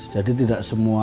jadi tidak semua